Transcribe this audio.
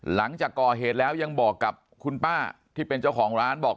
หลังจากก่อเหตุแล้วยังบอกกับคุณป้าที่เป็นเจ้าของร้านบอก